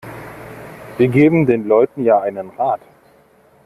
Wir geben den Leuten ja einen Rat.